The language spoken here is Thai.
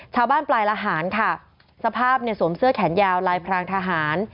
ปลายละหารค่ะสภาพเนี่ยสวมเสื้อแขนยาวลายพรางทหาร